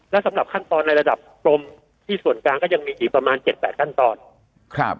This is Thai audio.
และสำหรับขั้นตอนในระดับกรมที่ส่วนกลางก็ยังมีอีกประมาณเจ็ดแปดขั้นตอนครับ